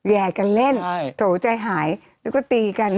แยกกันเล่นโถใจหายแล้วก็ตีกัน